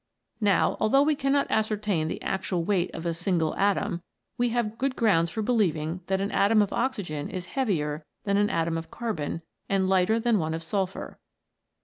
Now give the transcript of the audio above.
Now, although we cannot ascertain the actual weight of a single atom, we have good grounds for believing that an atom of oxygen is heavier than an atom of carbon and lighter than one of sulphur.